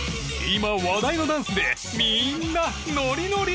今、話題のダンスでみんなノリノリ！